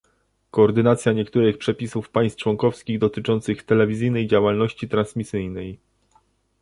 Koordynacja niektórych przepisów państw członkowskich dotyczących telewizyjnej działalności transmisyjnej